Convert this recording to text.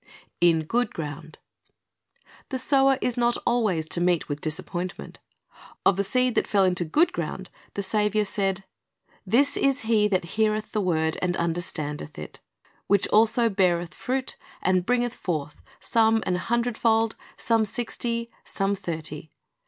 IN GOOD GROUND The sower is not always to meet with disappointment. Of the seed that fell into good ground the Saviour said, This "is he that heareth the word, and understandeth it; which also beareth fruit, and bringeth forth, some an hundred fold, some sixty, some thirty."